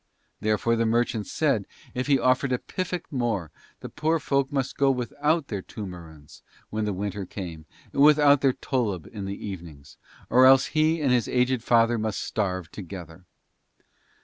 Therefore the merchant said if he offered a piffek more the poor folk must go without their toomarunds when the winter came, and without their tollub in the evenings, or else he and his aged father must starve together.